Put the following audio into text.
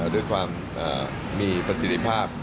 ด้วยความมีประสิทธิภาพ